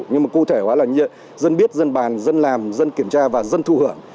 nhưng mà cụ thể hóa là dân biết dân bàn dân làm dân kiểm tra và dân thu hưởng